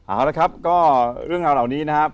เอาละครับก็เรื่องราวเหล่านี้นะครับ